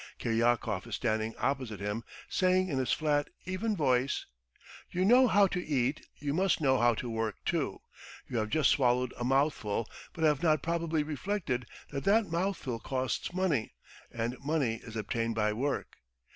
... Kiryakov is standing opposite him, saying in his flat, even voice: "You know how to eat, you must know how to work too. You have just swallowed a mouthful but have not probably reflected that that mouthful costs money and money is obtained by work.